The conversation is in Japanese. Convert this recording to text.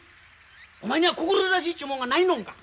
お前には志ちゅうもんがないのんか！